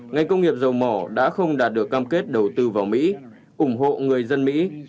ngành công nghiệp dầu mỏ đã không đạt được cam kết đầu tư vào mỹ ủng hộ người dân mỹ